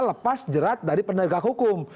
lepas jerat dari penegak hukum